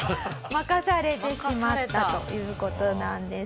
任されてしまったという事なんです。